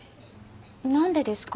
何でですか？